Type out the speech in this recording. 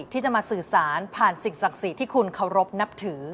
ที่จะมาสื่อสารผ่านสิ่งศักดิ์สิทธิ์ที่คุณเคารพนับถือ